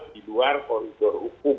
di luar koridor hukum